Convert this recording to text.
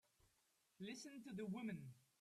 Listen to the woman!